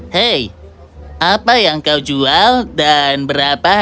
hei apa yang kau jual dan berapa harga